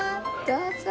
どうぞ！